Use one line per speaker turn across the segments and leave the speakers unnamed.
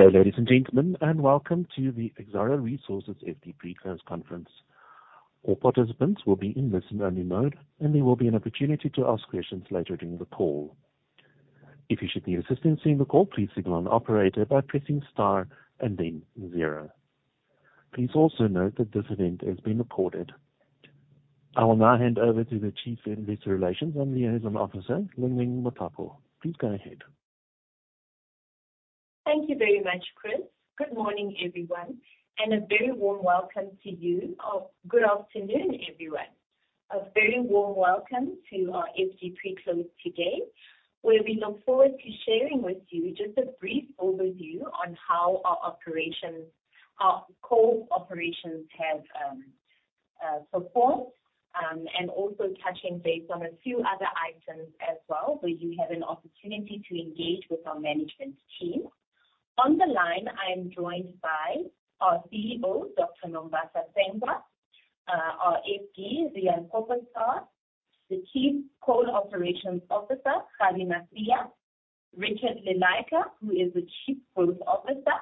Okay, ladies and gentlemen, and welcome to the Exxaro Resources NFD Pre-Class Conference. All participants will be in listen-only mode, and there will be an opportunity to ask questions later during the call. If you should need assistance during the call, please signal an operator by pressing star and then zero. Please also note that this event is being recorded. I will now hand over to the Chief Investor Relations and Liaison Officer, Ling-Ling Mothapo. Please go ahead.
Thank you very much, Chris. Good morning, everyone, and a very warm welcome to you. Good afternoon, everyone. A very warm welcome to our NFD Pre-Class today, where we look forward to sharing with you just a brief overview on how our core operations have performed, and also touching base on a few other items as well, where you have an opportunity to engage with our management team. On the line, I am joined by our CEO, Dr. Nombasa Tsengwa, our FD, Riaan Koppeschaar, the Chief Coal Operations Officer, Kgabi Masia, Richard Lilleike, who is the Chief Growth Officer,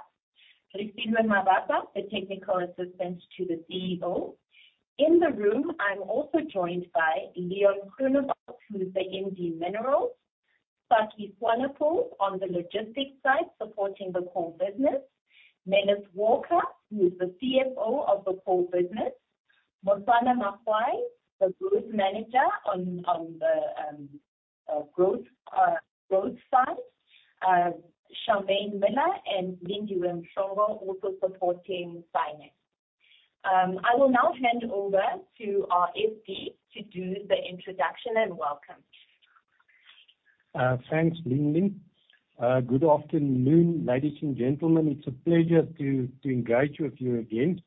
Risila Mvasa, the Technical Assistant to the CEO. In the room, I'm also joined by Leon Groenewald, who's the MD Minerals, Sakkie Swanepoel on the logistics side supporting the core business, Mellis. Walker, who is the CFO of the core business, Mvuleni Qhena, the Growth Manager on the growth side, Charmaine Miller, and Lingang Mkhondo, also supporting finance. I will now hand over to our FG to do the introduction and welcome.
Thanks, Ling-Ling. Good afternoon, ladies and gentlemen. It's a pleasure to invite you here again.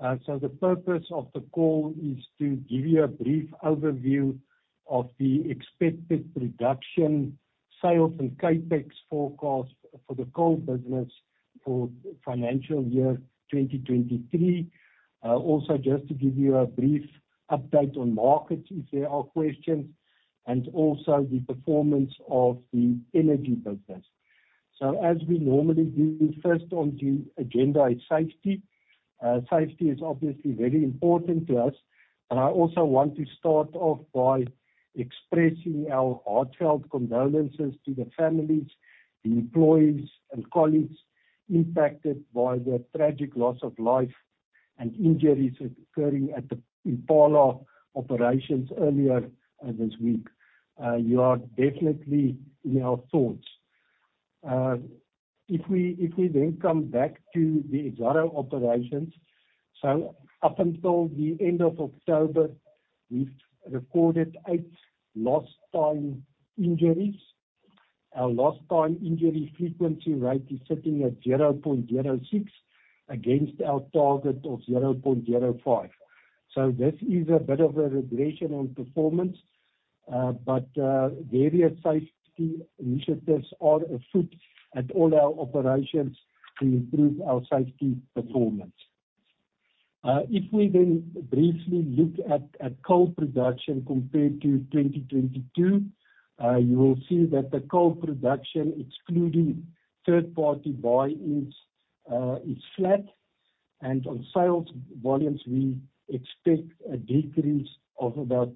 The purpose of the call is to give you a brief overview of the expected production, sales, and CapEx forecast for the core business for financial year 2023. Also, just to give you a brief update on markets if there are questions, and also the performance of the energy business. As we normally do, first on the agenda is safety. Safety is obviously very important to us, but I also want to start off by expressing our heartfelt condolences to the families, the employees, and colleagues impacted by the tragic loss of life and injuries occurring at the Impala operations earlier this week. You are definitely in our thoughts. If we then come back to the Exxaro operations, up until the end of October, we've recorded eight lost-time injuries. Our lost-time injury frequency rate is sitting at 0.06 against our target of 0.05. This is a bit of a regression on performance, but various safety initiatives are afoot at all our operations to improve our safety performance. If we then briefly look at core production compared to 2022, you will see that the core production, excluding third-party buy-ins, is flat, and on sales volumes, we expect a decrease of about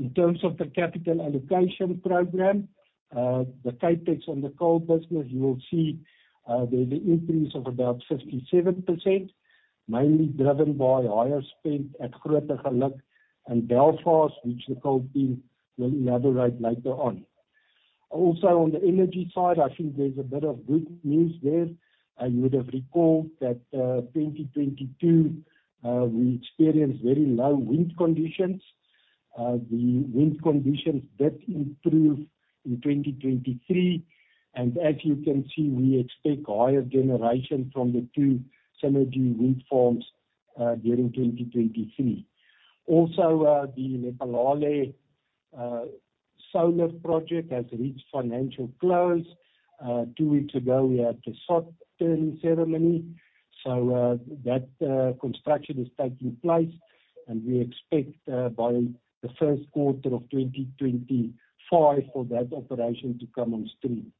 2%. In terms of the capital allocation program, the CapEx on the core business, you will see there is an increase of about 57%, mainly driven by higher spend at Grootegeluk and Belfast, which the core team will elaborate on later. Also, on the energy side, I think there is a bit of good news there. You would have recalled that 2022, we experienced very low wind conditions. The wind conditions did improve in 2023, and as you can see, we expect higher generation from the two Cennergi wind farms during 2023. Also, the Lephalale solar project has reached financial close. Two weeks ago, we had the sod-turning ceremony. That construction is taking place, and we expect by the first quarter of 2025 for that operation to come on stream.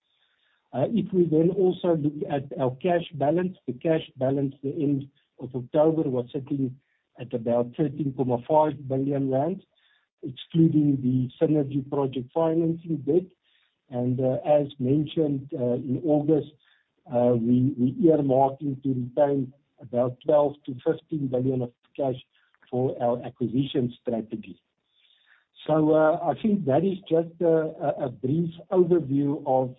If we then also look at our cash balance, the cash balance at the end of October was sitting at about 13.5 billion rand, excluding the Cennergi project financing debt. As mentioned in August, we are earmarking to retain about 12 billion -15 billion of cash for our acquisition strategy. I think that is just a brief overview of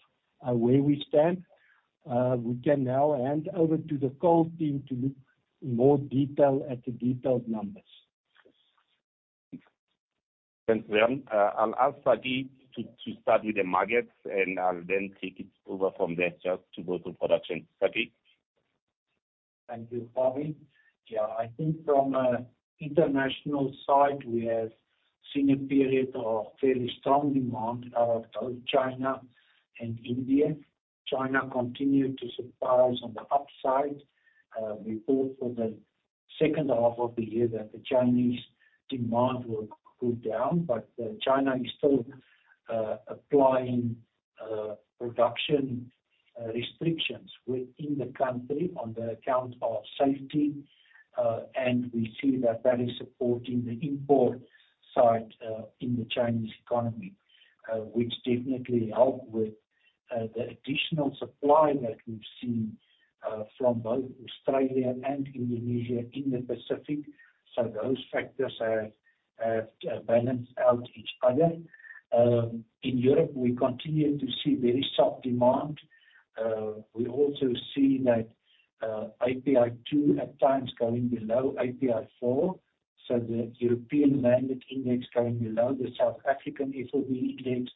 where we stand. We can now hand over to the core team to look in more detail at the detailed numbers.
Thanks, Leon. I'll ask Sakkie to start with the markets, and I'll then take it over from there just to go to production. Sakkie?
Thank you, Kgabi. Yeah, I think from the international side, we have seen a period of fairly strong demand out of both China and India. China continued to surprise on the upside. We hope for the second half of the year that the Chinese demand will cool down, but China is still applying production restrictions within the country on the account of safety, and we see that that is supporting the import side in the Chinese economy, which definitely helped with the additional supply that we've seen from both Australia and Indonesia in the Pacific. Those factors have balanced out each other. In Europe, we continue to see very soft demand. We also see that API 2 at times going below API 4, so the European mandate index going below the South African FOB index,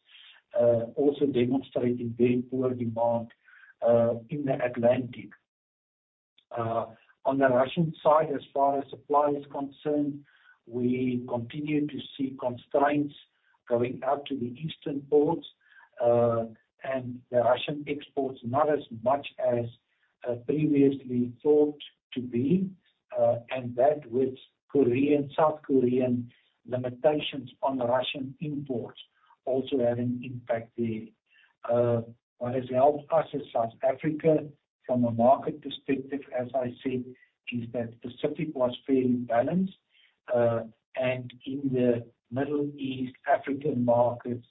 also demonstrating very poor demand in the Atlantic. On the Russian side, as far as supply is concerned, we continue to see constraints going out to the eastern ports, and the Russian exports not as much as previously thought to be, and that with South Korean limitations on Russian imports also having impact there. What has helped us as South Africa, from a market perspective, as I said, is that the Pacific was fairly balanced, and in the Middle East, African markets,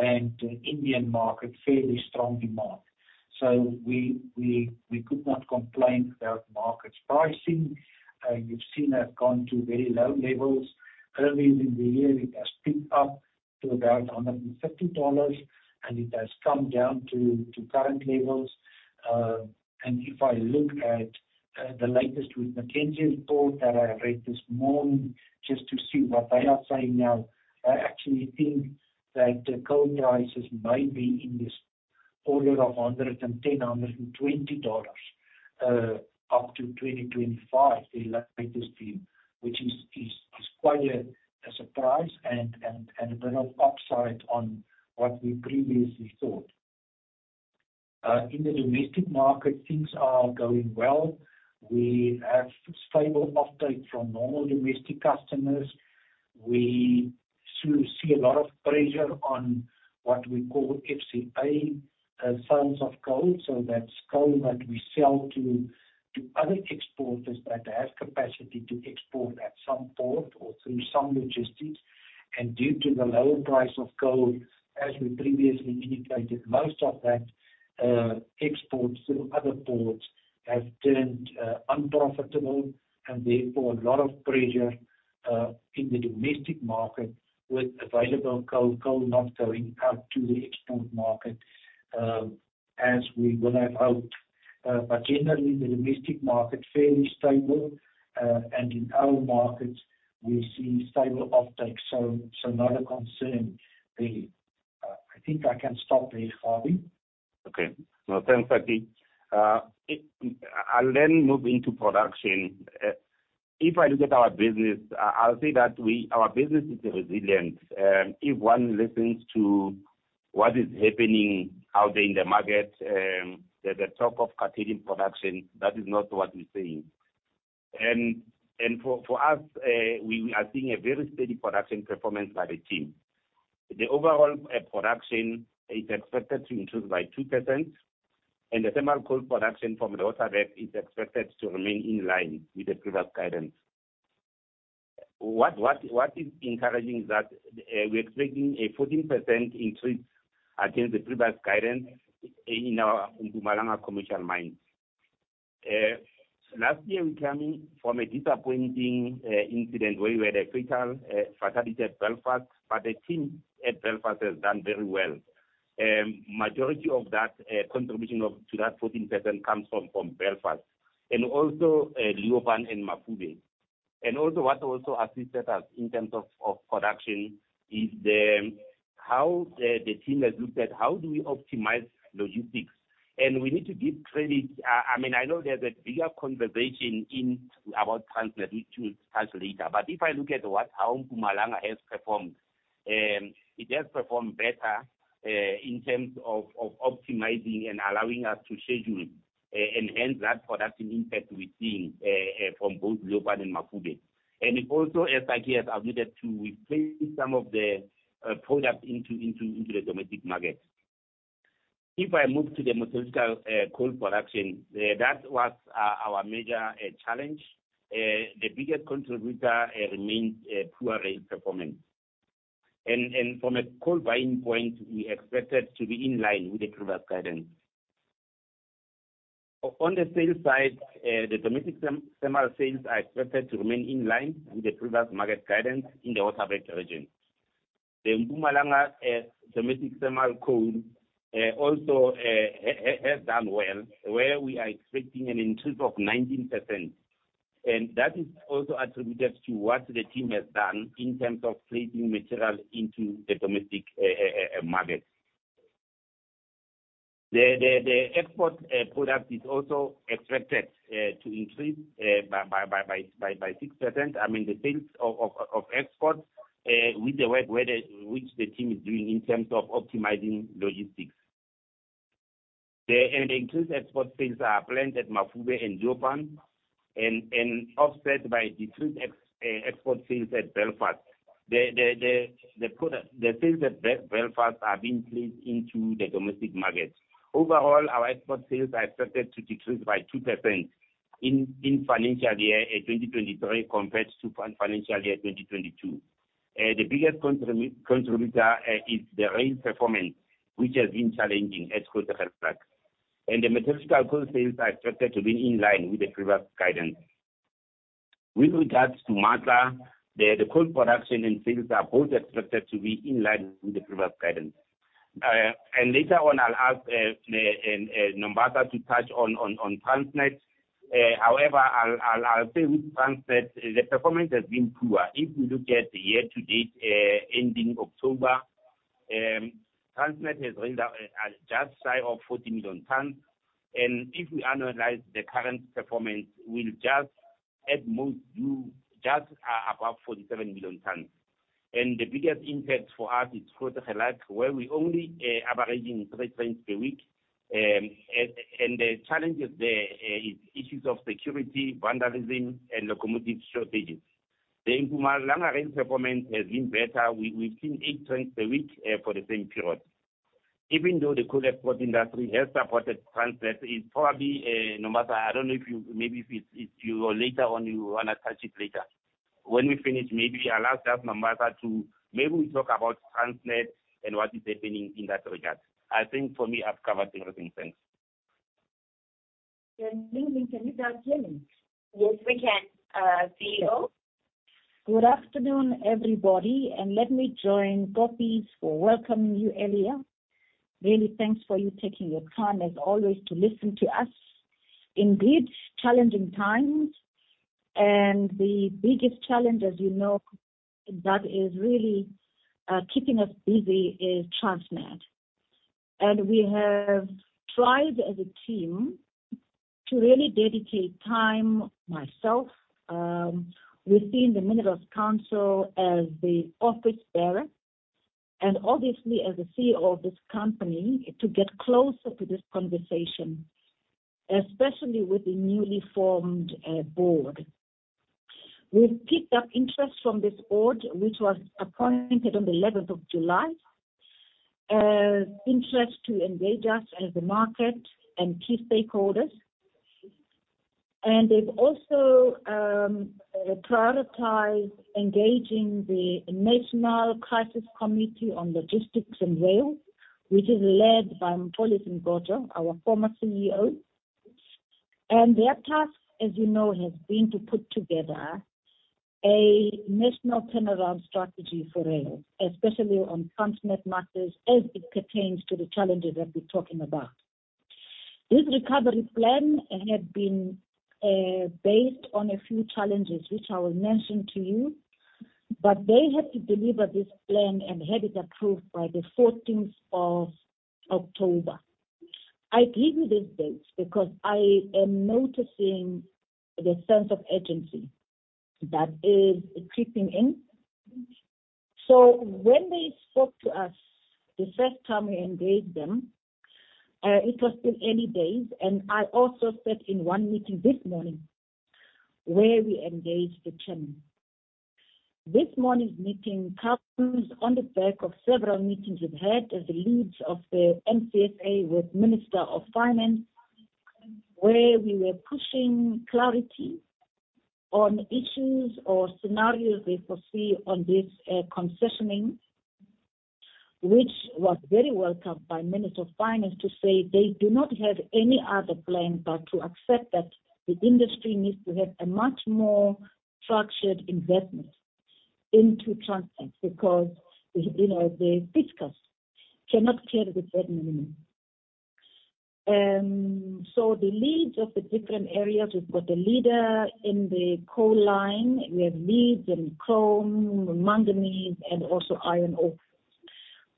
and Indian market, fairly strong demand. We could not complain about market pricing. You've seen it have gone to very low levels. Earlier in the year, it has picked up to about $150, and it has come down to current levels. If I look at the latest McKinsey report that I read this morning, just to see what they are saying now, I actually think that the coal prices might be in this order of $110-$120 up to 2025, their latest view, which is quite a surprise and a bit of upside on what we previously thought. In the domestic market, things are going well. We have stable uptake from normal domestic customers. We see a lot of pressure on what we call FCA sales of coal, so that's coal that we sell to other exporters that have capacity to export at some port or through some logistics. Due to the lower price of gold, as we previously indicated, most of that export through other ports has turned unprofitable, and therefore a lot of pressure in the domestic market with available gold, gold not going out to the export market, as we would have hoped. Generally, the domestic market is fairly stable, and in our markets, we see stable uptake, so not a concern there. I think I can stop there, Kgabi.
Okay. Thanks, Sakkie. I'll then move into production. If I look at our business, I'll say that our business is resilient. If one listens to what is happening out there in the market, there's a talk of continuing production. That is not what we're seeing. For us, we are seeing a very steady production performance by the team. The overall production is expected to increase by 2%, and the thermal coal production from the Waterberg is expected to remain in line with the previous guidance. What is encouraging is that we're expecting a 14% increase against the previous guidance in our Mpumalanga commercial mines. Last year, we came in from a disappointing incident where we had a fatal fatality at Belfast, but the team at Belfast has done very well. Majority of that contribution to that 14% comes from Belfast, and also Leeuwpan and Mpumalanga. What also assisted us in terms of production is how the team has looked at how do we optimize logistics. We need to give credit—I mean, I know there's a bigger conversation about Transnet, such data, but if I look at what our Mvuleni has performed, it has performed better in terms of optimizing and allowing us to schedule and hence that production impact we're seeing from both Leeuwpan and Mvuleni. Also, as Sakkie has alluded to, we've placed some of the product into the domestic market. If I move to the Matla coal production, that was our major challenge. The biggest contributor remains poor rail performance. From a coal buying point, we expected to be in line with the previous guidance. On the sales side, the domestic thermal sales are expected to remain in line with the previous market guidance in the Waterberg region. The Mvuleni domestic thermal coal also has done well, where we are expecting an increase of 19%. That is also attributed to what the team has done in terms of placing material into the domestic market. The export product is also expected to increase by 6%. I mean, the sales of export which the team is doing in terms of optimizing logistics. Increased export sales are planned at Mvuleni and Leeuwpan, and offset by decreased export sales at Belfast. The sales at Belfast are being placed into the domestic market. Overall, our export sales are expected to decrease by 2% in financial year 2023 compared to financial year 2022. The biggest contributor is the rail performance, which has been challenging at Grootegeluk. The Mosselika coal sales are expected to be in line with the previous guidance. With regards to Masa, the coal production and sales are both expected to be in line with the previous guidance. Later on, I'll ask Nombasa to touch on Transnet. However, I'll say with Transnet, the performance has been poor. If we look at the year-to-date ending October, Transnet has railed just shy of 40 million tons. If we analyze the current performance, we'll at most do just above 47 million tons. The biggest impact for us is Grootegeluk, where we are only averaging three trains per week. The challenges there are issues of security, vandalism, and locomotive shortages. The Mvuleni rail performance has been better. We've seen eight trains per week for the same period. Even though the coal export industry has supported Transnet, it's probably Nombasa, I don't know if you maybe if you go later on, you want to touch it later. When we finish, maybe I'll ask just Nombasa to maybe we talk about Transnet and what is happening in that regard. I think for me, I've covered everything. Thanks.
Yeah. Ling-Ling, can you join in?
Yes, we can. CEO.
Good afternoon, everybody. Let me join Kgabi in welcoming you earlier. Really, thanks for you taking your time, as always, to listen to us. Indeed, challenging times. The biggest challenge, as you know, that is really keeping us busy, is Transnet. We have tried as a team to really dedicate time, myself, within the Minerals Council as the office bearer, and obviously as the CEO of this company, to get closer to this conversation, especially with the newly formed board. We have picked up interest from this board, which was appointed on the 11th of July, interest to engage us as the market and key stakeholders. They have also prioritized engaging the National Crisis Committee on Logistics and Rail, which is led by Mxolisi Mgojo, our former CEO. Their task, as you know, has been to put together a national turnaround strategy for rail, especially on Transnet Freight Rail matters as it pertains to the challenges that we're talking about. This recovery plan had been based on a few challenges, which I will mention to you, but they had to deliver this plan and had it approved by the 14th of October. I give you this date because I am noticing the sense of urgency that is creeping in. When they spoke to us the first time we engaged them, it was still early days, and I also sat in one meeting this morning where we engaged the chairman. This morning's meeting comes on the back of several meetings we've had as the leads of the Minerals Council South Africa with the Minister of Finance, where we were pushing clarity on issues or scenarios they foresee on this concessioning, which was very welcome by the Minister of Finance to say they do not have any other plan but to accept that the industry needs to have a much more structured investment into Transnet because the fiscus cannot clear the debt minimum. The leads of the different areas, we've got the leader in the coal line. We have leads in chrome, manganese, and also iron ore.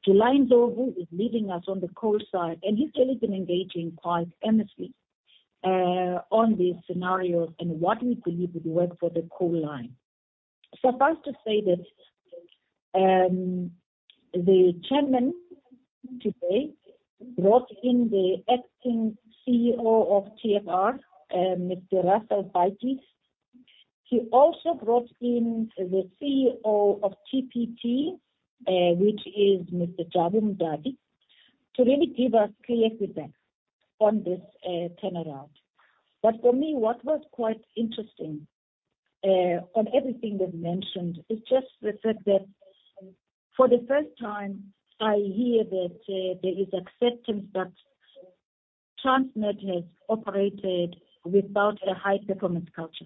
July Ndlovu is leading us on the coal side, and he's really been engaging quite earnestly on these scenarios and what we believe would work for the coal line. Suffice to say that the chairman today brought in the Acting Chief Executive of Transnet Freight Rail, Mr. Russell Batyi. He also brought in the CEO of TPT, which is Mr. Jabulani Mdaki, to really give us clear feedback on this turnaround. For me, what was quite interesting on everything they've mentioned is just the fact that for the first time, I hear that there is acceptance that Transnet has operated without a high performance culture.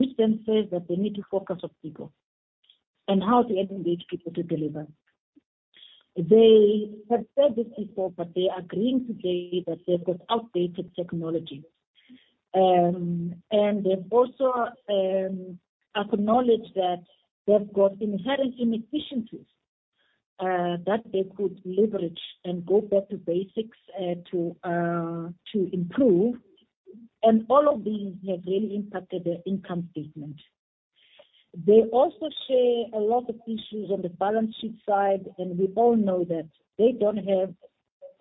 It then says that they need to focus on people and how to engage people to deliver. They have said this before, but they are agreeing today that they've got outdated technologies. They have also acknowledged that they've got inherent inefficiencies that they could leverage and go back to basics to improve. All of these have really impacted their income statement. They also share a lot of issues on the balance sheet side, and we all know that they don't have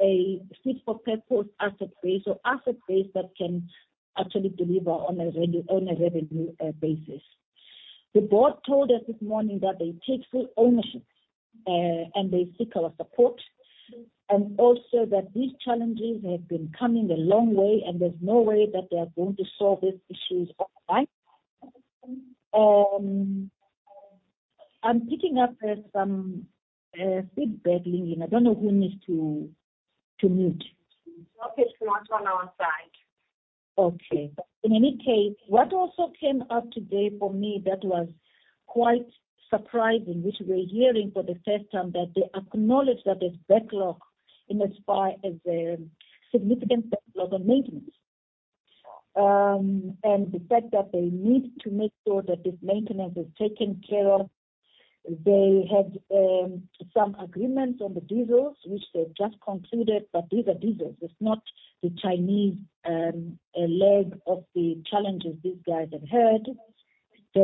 a fit-for-purpose asset base or asset base that can actually deliver on a revenue basis. The board told us this morning that they take full ownership and they seek our support, and also that these challenges have been coming a long way, and there's no way that they are going to solve these issues offline. I'm picking up some feedback, Ling-Ling. I don't know who needs to mute.
Okay. She wants one on side.
Okay. In any case, what also came up today for me that was quite surprising, which we're hearing for the first time, that they acknowledge that there's backlog in as far as a significant backlog on maintenance. The fact that they need to make sure that this maintenance is taken care of. They had some agreements on the diesels, which they've just concluded, but these are diesels. It's not the Chinese leg of the challenges these guys have had. There's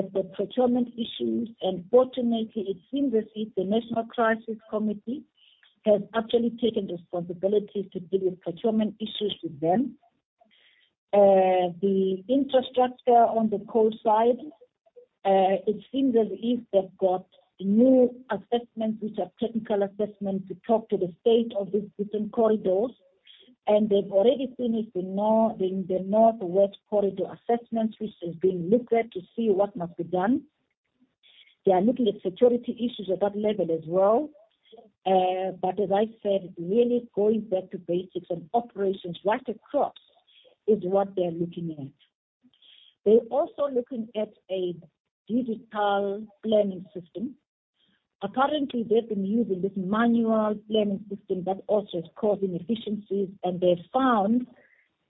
the procurement issues, and fortunately, it seems as if the National Crisis Committee has actually taken responsibility to deal with procurement issues with them. The infrastructure on the coal side, it seems as if they've got new assessments, which are technical assessments, to talk to the state of these different corridors. They have already finished the north-west corridor assessments, which is being looked at to see what must be done. They are looking at security issues at that level as well. As I said, really going back to basics and operations right across is what they are looking at. They are also looking at a digital planning system. Apparently, they have been using this manual planning system that also is causing inefficiencies, and they have found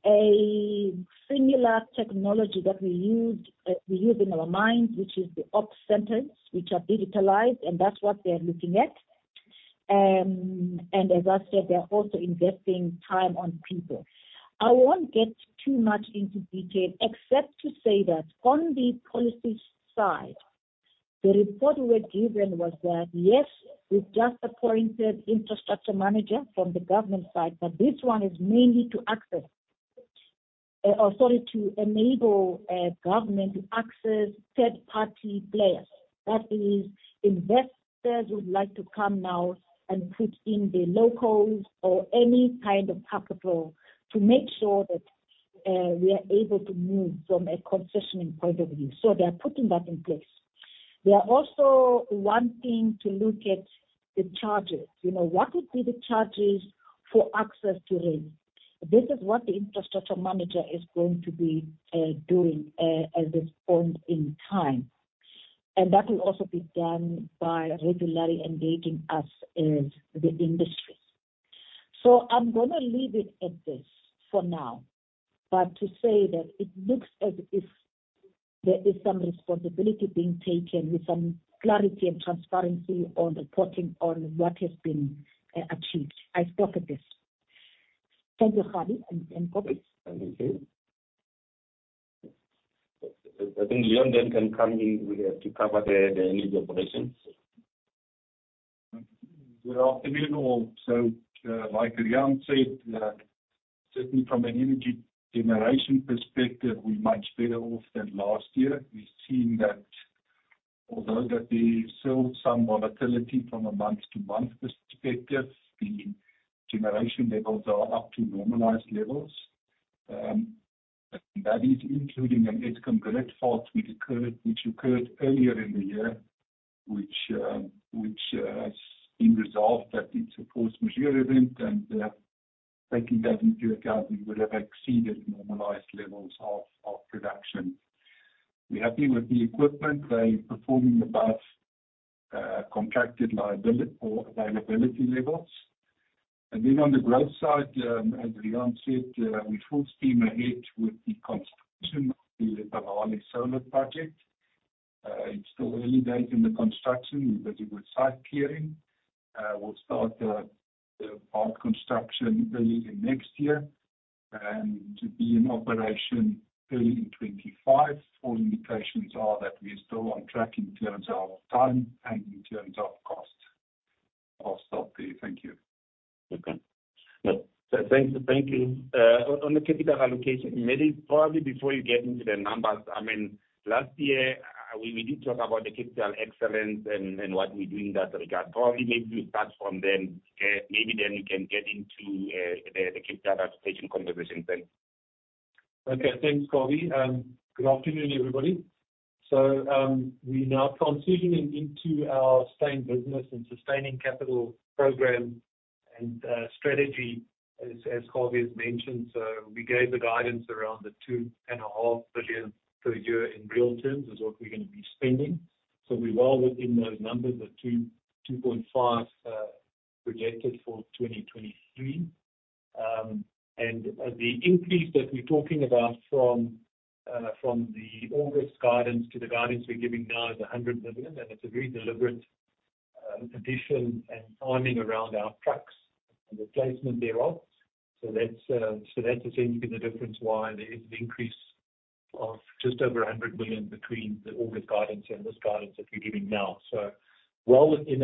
a similar technology that we use in our mines, which is the ops centers, which are digitalized, and that is what they are looking at. As I said, they are also investing time on people. I won't get too much into detail except to say that on the policy side, the report we were given was that, yes, we've just appointed infrastructure managers from the government side, but this one is mainly to access, or sorry, to enable government to access third-party players. That is, investors would like to come now and put in the locals or any kind of capital to make sure that we are able to move from a concessioning point of view. They are putting that in place. They are also wanting to look at the charges. What would be the charges for access to rail? This is what the infrastructure manager is going to be doing at this point in time. That will also be done by regularly engaging us as the industry. I'm going to leave it at this for now, but to say that it looks as if there is some responsibility being taken with some clarity and transparency on reporting on what has been achieved. I'll stop at this. Thank you, Kgabi and Riaan.
Thank you. I think Leon then can come in to cover the energy operations.
Afternoon. Like Julian said, certainly from an energy generation perspective, we're much better off than last year. We've seen that although there's still some volatility from a month-to-month perspective, the generation levels are up to normalized levels. That is including an Eskom grid fault which occurred earlier in the year, which has been resolved, but it's a force majeure event. Taking that into account, we would have exceeded normalized levels of production. We're happy with the equipment. They're performing above contracted availability levels. On the growth side, as Julian said, we're full steam ahead with the construction of the Lephalale solar project. It's still early days in the construction because it was site clearing. We'll start the part construction early next year and to be in operation early in 2025. All indications are that we're still on track in terms of time and in terms of cost. I'll stop there. Thank you.
Okay. Thank you. On the capital allocation, maybe probably before you get into the numbers, I mean, last year, we did talk about the Capital Excellence and what we're doing in that regard. Probably maybe we'll start from then. Maybe then we can get into the capital allocation conversation then.
Okay. Thanks, Kgabi. Good afternoon, everybody. We now transition into our sustained business and sustaining capital program and strategy, as Kgabi has mentioned. We gave the guidance around the 2.5 billion per year in real terms is what we're going to be spending. We are well within those numbers, the 2.5 billion projected for 2023. The increase that we're talking about from the August guidance to the guidance we're giving now is 100 million. It is a very deliberate addition and timing around our trucks and replacement thereof. That is essentially the difference why there is an increase of just over 100 million between the August guidance and this guidance that we're giving now. We are well within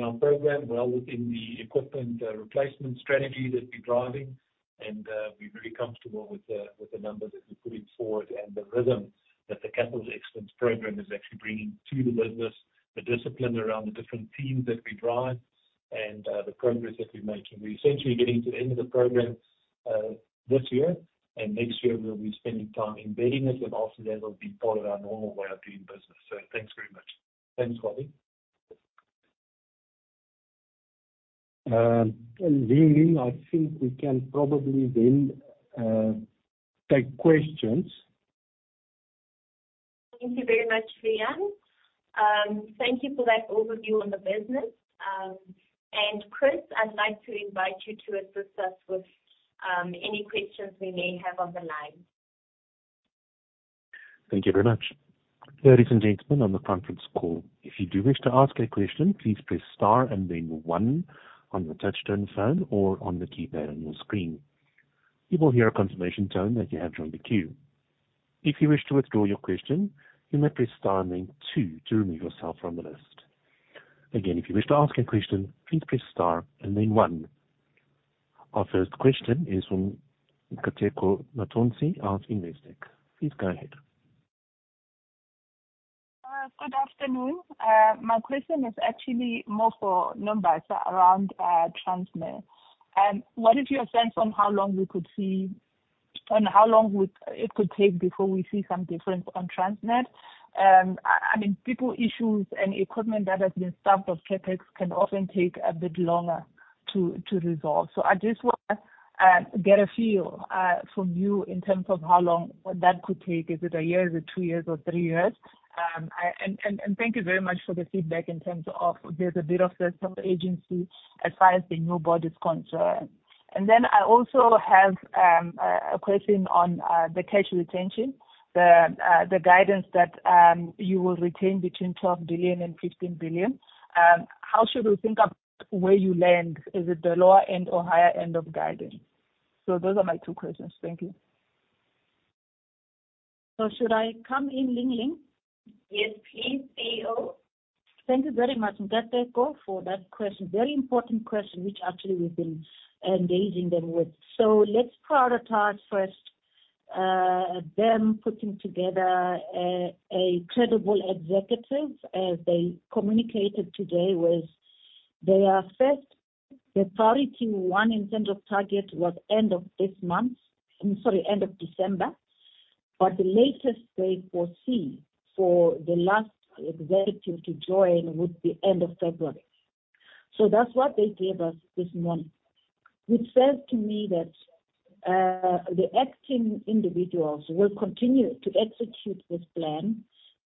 our program, well within the equipment replacement strategy that we're driving. We are very comfortable with the numbers that we are putting forward and the rhythm that the Capital Excellence program is actually bringing to the business, the discipline around the different teams that we drive, and the progress that we have made. We are essentially getting to the end of the program this year, and next year, we will be spending time embedding it. After that, it will be part of our normal way of doing business. Thanks very much. Thanks, Kobbi. Ling-Ling, I think we can probably then take questions.
Thank you very much, Riaan. Thank you for that overview on the business. Chris, I'd like to invite you to assist us with any questions we may have on the line.
Thank you very much. There is an incident on the conference call. If you do wish to ask a question, please press Star and then 1 on the touch-tone phone or on the keypad on your screen. You will hear a confirmation tone that you have joined the queue. If you wish to withdraw your question, you may press Star and then 2 to remove yourself from the list. Again, if you wish to ask a question, please press star and then one. Our first question is from Nkateko Mathonsi asking NASDAQ. Please go ahead. Good afternoon. My question is actually more for numbers around Transnet. What is your sense on how long we could see and how long it could take before we see some difference on Transnet? I mean, people issues and equipment that has been starved of CapEx can often take a bit longer to resolve. I just want to get a feel from you in terms of how long that could take. Is it a year, is it two years, or three years? Thank you very much for the feedback in terms of there's a bit of a sense of urgency as far as the new board is concerned. I also have a question on the cash retention, the guidance that you will retain between 12 billion and 15 billion. How should we think about where you land? Is it the lower end or higher end of guidance? Those are my two questions. Thank you.
Should I come in, Ling-Ling?
Yes, please, CEO.
Thank you very much, Nkateko, for that question. Very important question, which actually we've been engaging them with. Let's prioritize first them putting together a credible executive, as they communicated today with their first authority one in terms of target was end of this month, sorry, end of December. The latest they foresee for the last executive to join would be end of February. That's what they gave us this morning, which says to me that the acting individuals will continue to execute this plan.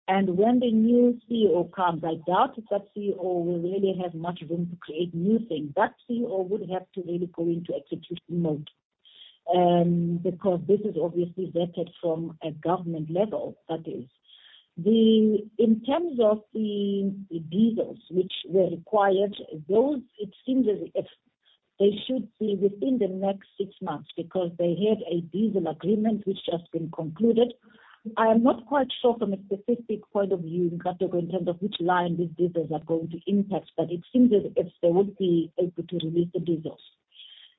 When the new CEO comes, I doubt that CEO will really have much room to create new things. That CEO would have to really go into execution mode because this is obviously vetted from a government level, that is. In terms of the diesels, which were required, those it seems as if they should be within the next six months because they had a diesel agreement which has been concluded. I am not quite sure from a specific point of view in Kgogo, in terms of which line these diesels are going to impact, but it seems as if they would be able to release the diesels.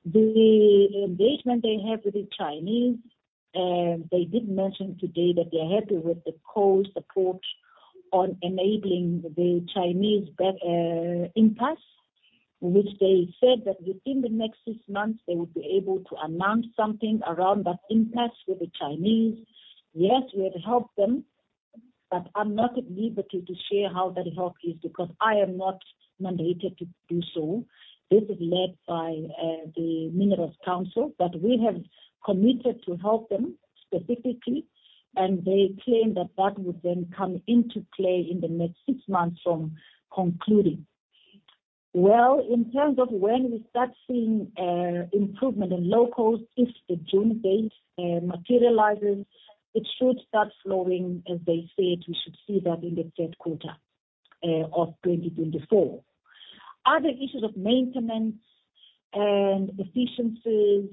The engagement they have with the Chinese, they did mention today that they're happy with the coal support on enabling the Chinese impasse, which they said that within the next six months, they would be able to announce something around that impasse with the Chinese. Yes, we have helped them, but I'm not able to share how that help is because I am not mandated to do so. This is led by the Minerals Council, but we have committed to help them specifically. They claim that that would then come into play in the next six months from concluding. In terms of when we start seeing improvement in locals, if the June date materializes, it should start flowing, as they said, we should see that in the third quarter of 2024. Other issues of maintenance and efficiencies,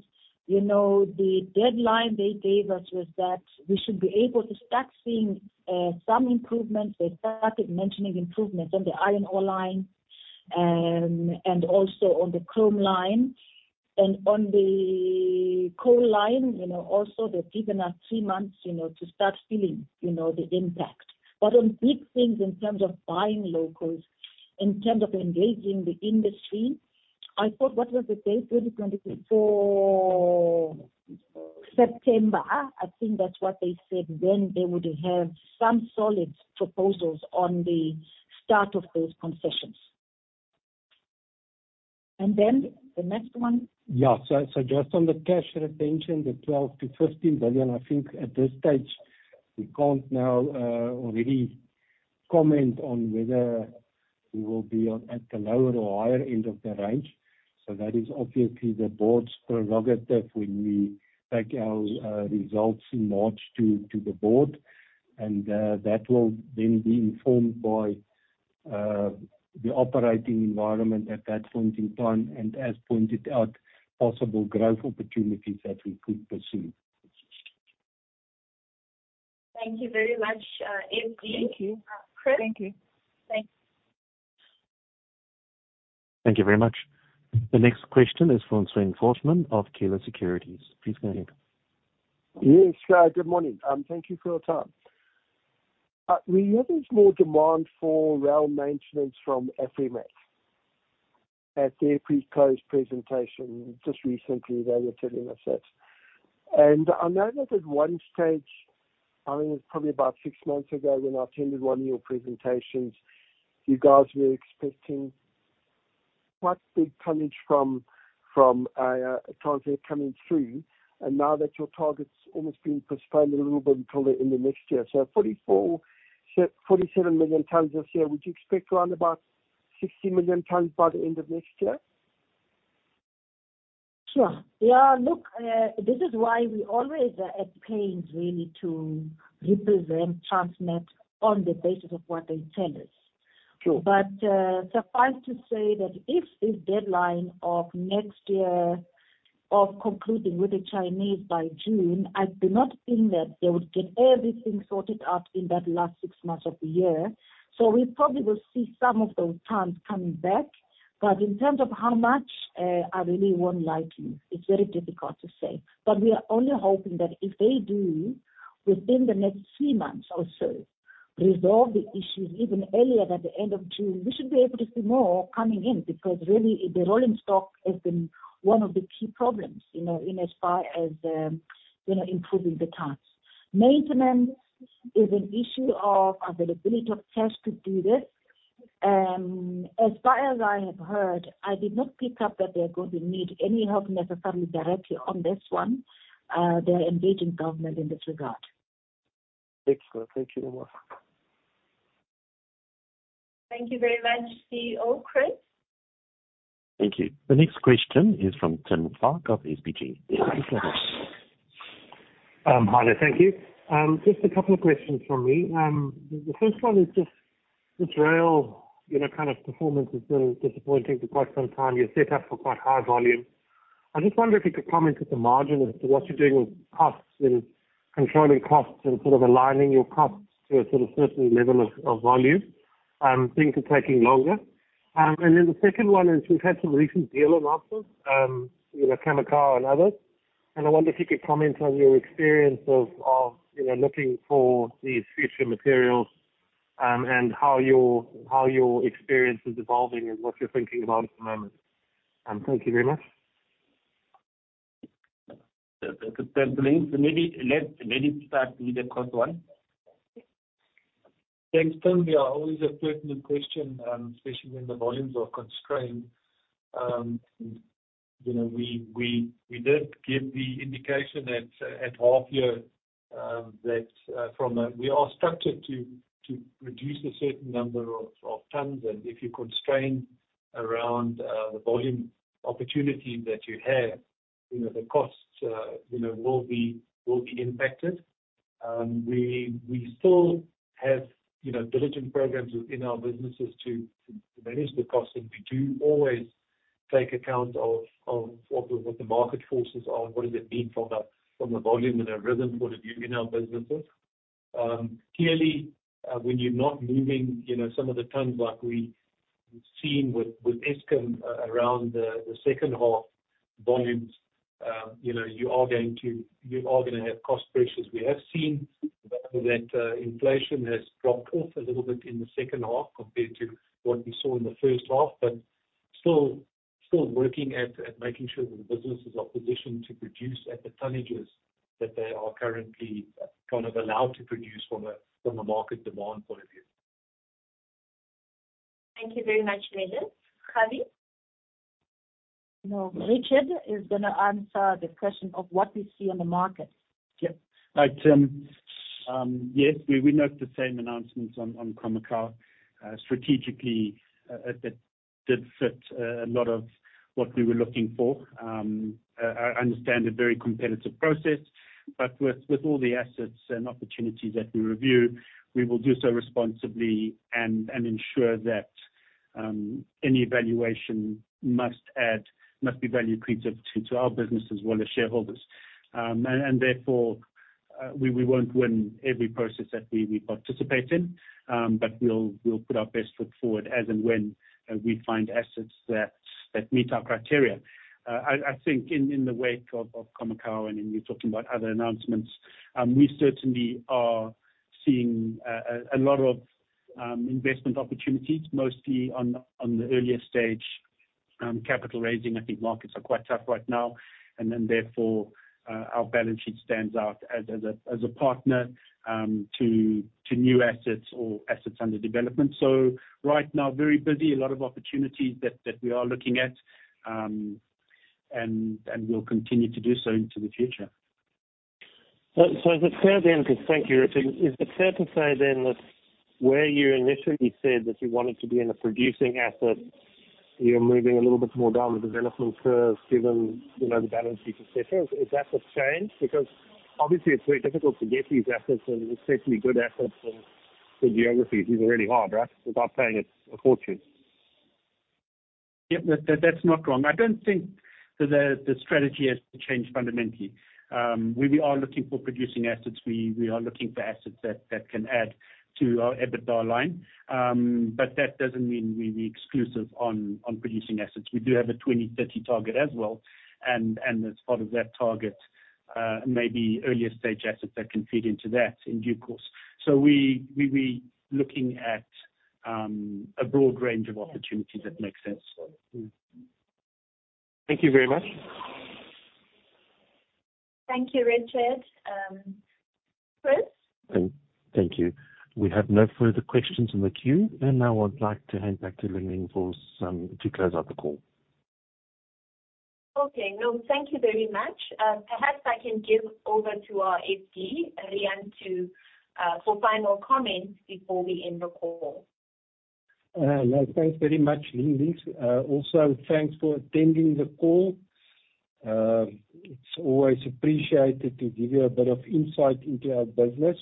the deadline they gave us was that we should be able to start seeing some improvements. They started mentioning improvements on the iron ore line and also on the chrome line. On the coal line, also, they've given us three months to start feeling the impact. On big things in terms of buying locals, in terms of engaging the industry, I thought what was the date? 2024 September, I think that's what they said when they would have some solid proposals on the start of those concessions. The next one.
Yeah. Just on the cash retention, the 12 billion-15 billion, I think at this stage, we cannot now really comment on whether we will be at the lower or higher end of the range. That is obviously the board's prerogative when we take our results in March to the board. That will then be informed by the operating environment at that point in time. As pointed out, possible growth opportunities that we could pursue.
Thank you very much, Eddie. Thank you. Chris? Thank you. Thanks.
Thank you very much. The next question is from Sven Forssman of Kela Securities. Please go ahead.
Yes. Good morning. Thank you for your time. We have this more demand for rail maintenance from FMX at their pre-close presentation just recently. They were telling us that. I know that at one stage, I mean, it was probably about six months ago when I attended one of your presentations, you guys were expecting quite big tonnage from Transnet coming through. Now that your target's almost being postponed a little bit until the end of next year, 47 million tonnes this year, would you expect around about 60 million tonnes by the end of next year?
Sure. Yeah. Look, this is why we always are at pains really to represent Transnet on the basis of what they tell us. Suffice to say that if this deadline of next year of concluding with the Chinese by June, I do not think that they would get everything sorted out in that last six months of the year. We probably will see some of those tonnes coming back. In terms of how much, I really won't lie to you. It's very difficult to say. We are only hoping that if they do, within the next three months or so, resolve the issues even earlier than the end of June, we should be able to see more coming in because really the rolling stock has been one of the key problems in as far as improving the tons. Maintenance is an issue of availability of cash to do this. As far as I have heard, I did not pick up that they're going to need any help necessarily directly on this one. They're engaging government in this regard.
Excellent. Thank you very much.
Thank you very much, CEO. Chris?
Thank you. The next question is from Tim Clark of SBG. Please go ahead.
Hi, thank you. Just a couple of questions from me. The first one is just this rail kind of performance has been disappointing for quite some time. You're set up for quite high volume. I just wonder if you could comment at the margin as to what you're doing with costs and controlling costs and sort of aligning your costs to a sort of certain level of volume. Things are taking longer. The second one is we've had some recent deal announcements, Kamakawa and others. I wonder if you could comment on your experience of looking for these future materials and how your experience is evolving and what you're thinking about at the moment. Thank you very much.
Thanks. Leon. Maybe let it start with the first one.
Thanks, Tim. We are always a pertinent question, especially when the volumes are constrained. We did give the indication at half year that we are structured to produce a certain number of tonnes. If you constrain around the volume opportunity that you have, the costs will be impacted. We still have diligent programs within our businesses to manage the costs. We do always take account of what the market forces are, what does it mean from a volume and a rhythm point of view in our businesses. Clearly, when you're not moving some of the tonnes like we've seen with Eskom around the second half volumes, you are going to have cost pressures. We have seen that inflation has dropped off a little bit in the second half compared to what we saw in the first half, but still working at making sure that the business is in a position to produce at the tonnages that they are currently kind of allowed to produce from a market demand point of view.
Thank you very much, Leon. Kgabi?
No. Richard is going to answer the question of what we see on the market.
Yep. Hi, Tim. Yes, we made the same announcements on Kamakawa. Strategically, that did fit a lot of what we were looking for. I understand a very competitive process. With all the assets and opportunities that we review, we will do so responsibly and ensure that any evaluation must be value creative to our business as well as shareholders. Therefore, we will not win every process that we participate in, but we will put our best foot forward as and when we find assets that meet our criteria. I think in the wake of Kamakawa and in you talking about other announcements, we certainly are seeing a lot of investment opportunities, mostly on the earlier stage capital raising. I think markets are quite tough right now. Therefore, our balance sheet stands out as a partner to new assets or assets under development. Right now, very busy, a lot of opportunities that we are looking at, and we'll continue to do so into the future.
Is it fair then to thank you, Richard? Is it fair to say then that where you initially said that you wanted to be in a producing asset, you're moving a little bit more down the development curve given the balance sheet etc.? Is that the change? Because obviously, it's very difficult to get these assets, and especially good assets in the geographies is really hard, right? Without paying a fortune.
Yep. That's not wrong. I don't think that the strategy has changed fundamentally. We are looking for producing assets. We are looking for assets that can add to our EBITDA line. That doesn't mean we're exclusive on producing assets. We do have a 2030 target as well. As part of that target, maybe earlier stage assets that can feed into that in due course. We are looking at a broad range of opportunities that make sense.
Thank you very much.
Thank you, Richard. Chris?
Thank you. We have no further questions in the queue. I would now like to hand back to Ling-Ling to close out the call.
Okay. No, thank you very much. Perhaps I can give over to our SG, Riaan, for final comments before we end the call.
No, thanks very much, Ling-Ling. Also, thanks for attending the call. It's always appreciated to give you a bit of insight into our business.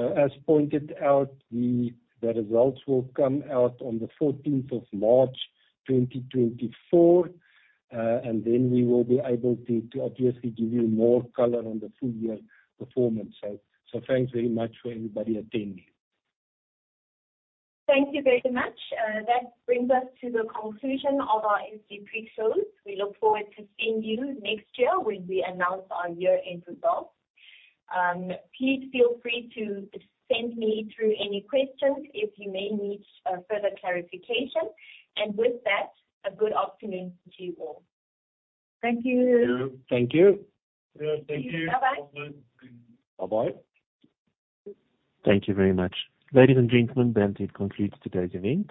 As pointed out, the results will come out on the 14th of March 2024. Then we will be able to obviously give you more color on the full year performance. Thanks very much for everybody attending.
Thank you very much. That brings us to the conclusion of our SG pre-close. We look forward to seeing you next year when we announce our year-end results. Please feel free to send me through any questions if you may need further clarification. A good afternoon to you all.
Thank you.
Thank you.
Thank you.
Thank you.
Bye-bye.
Bye-bye.
Thank you very much. Ladies and gentlemen, that concludes today's event.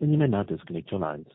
You may now disconnect your lines.